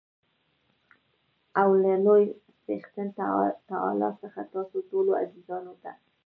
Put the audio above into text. او له لوى څښتن تعالا څخه تاسو ټولو عزیزانو ته